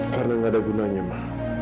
karena gak ada gunanya ma